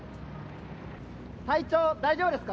体調、大丈夫ですか？